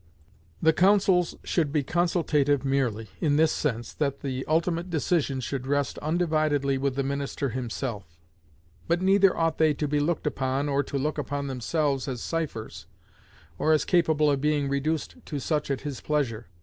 The councils should be consultative merely, in this sense, that the ultimate decision should rest undividedly with the minister himself; but neither ought they to be looked upon, or to look upon themselves as ciphers, or as capable of being reduced to such at his pleasure.